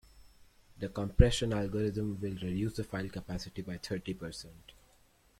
The compression algorithm will reduce the file capacity by thirty percent.